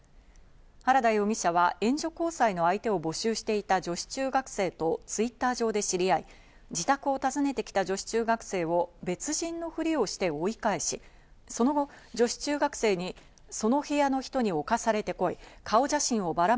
原田容疑者は援助交際の相手を募集していた女子中学生とＴｗｉｔｔｅｒ上で知り合い、自宅を訪ねて来た女子中学生を別人のふりをして追い返し、お天気です。